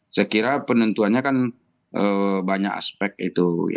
saya kira penentuannya kan banyak aspek itu